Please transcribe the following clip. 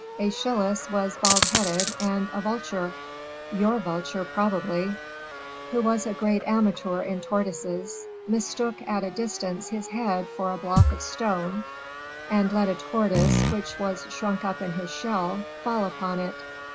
"Aeschylus was bald headed, and a vulture your vulture, probably who was a great amateur in tortoises, mistook at a distance his head for a block of stone, and let a tortoise, which was shrunk up in his shell, fall upon it."